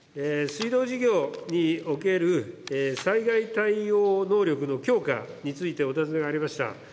水道事業における災害対応能力の強化について、お尋ねがありました。